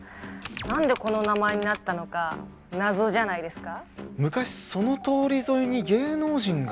何でこの名前になったのか謎じゃないですか？